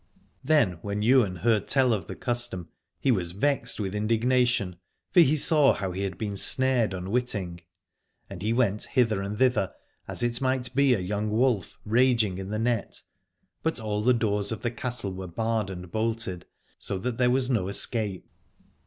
Then when Ywain heard tell of the custom he was vexed with indignation, for he saw how he had been snared unwitting. And he went hither and thither, as it might be a young wolf raging in the net : but all the doors of the castle were barred and bolted, so that there was no escape.